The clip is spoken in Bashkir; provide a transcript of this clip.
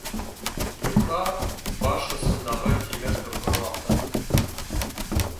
Юҡһа, баш осондағы тимер доңғорлап тора